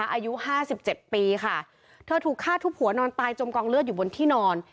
อายุห้าสิบเจ็ดปีค่ะเธอถูกฆ่าทุบหัวนอนตายจมกองเลือดอยู่บนที่นอน